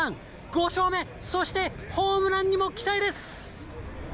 ５勝目、そしてホームランにも期待です！